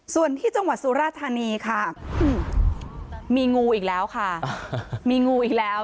ส่วนที่จังหวัดสุราธานีค่ะมีงูอีกแล้วค่ะมีงูอีกแล้ว